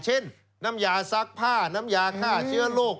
น้ำยาซักผ้าน้ำยาฆ่าเชื้อโรค